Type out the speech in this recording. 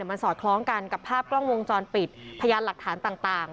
มันสอดคล้องกันกับภาพกล้องวงจรปิดพยานหลักฐานต่าง